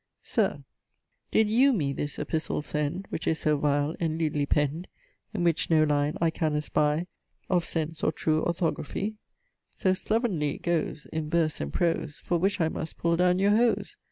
'Sir, Did you me this epistle send, Which is so vile and lewdly pen'd, In which no line I can espie Of sense or true orthographie? So slovenly it goes, In verse and prose, For which I must pull down your hose.'